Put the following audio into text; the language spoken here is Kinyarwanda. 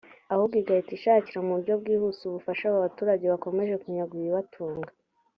ahubwo igahita ishakira mu buryo bwihuse ubufasha aba baturage bakomeje kunyagwa ibibatunga